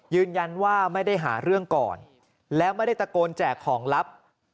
ยืนยันว่าไม่ได้หาเรื่องก่อนแล้วไม่ได้ตะโกนแจกของลับ